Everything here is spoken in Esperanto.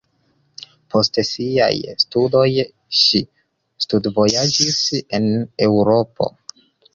Post siaj studoj ŝi studvojaĝis en Eŭropo.